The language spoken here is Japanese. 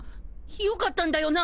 よかったんだよな？